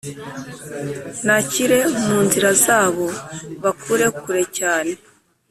Nakire mu nzira zabo, Bakuri kure cyane.